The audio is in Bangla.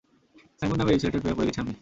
সাইমন নামের এই ছেলেটার প্রেমে পড়ে গেছি আমি!